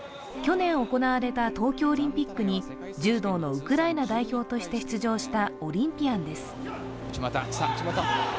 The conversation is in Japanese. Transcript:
去年行われた東京オリンピックに柔道のウクライナ代表として出場したオリンピアンです。